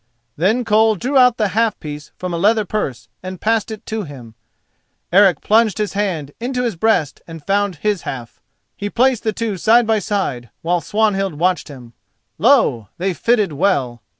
Then Koll drew out the half piece from a leather purse and passed it to him. Eric plunged his hand into his breast and found his half. He placed the two side by side, while Swanhild watched him. Lo! they fitted well.